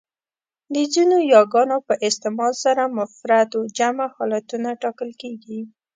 د ځینو یاګانو په استعمال سره مفرد و جمع حالتونه ټاکل کېږي.